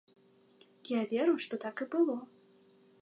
Я веру, што так і было.